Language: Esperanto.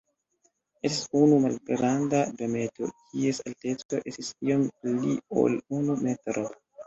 Estis unu malgranda dometo, kies alteco estis iom pli ol unu metro.